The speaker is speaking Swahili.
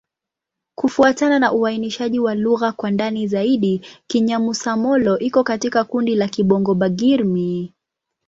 Kufuatana na uainishaji wa lugha kwa ndani zaidi, Kinyamusa-Molo iko katika kundi la Kibongo-Bagirmi.